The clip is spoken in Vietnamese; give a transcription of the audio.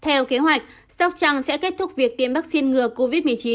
theo kế hoạch sóc trăng sẽ kết thúc việc tiêm vaccine ngừa covid một mươi chín